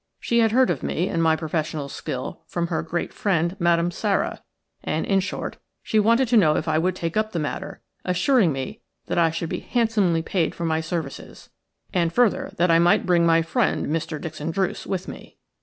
She had heard of me and my professional skill from her great friend, Madame Sara, and, in short, she wanted to know if I would take up the matter, assuring me that I should be handsomely paid for my services, and, further, that I might bring my friend, Mr. Dixon Druce, with me.